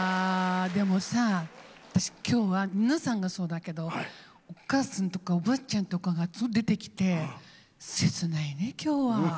でもさ、私、今日は皆さんがそうだけどお母さんとかおばあちゃんとかが出てきて切ないね、今日は。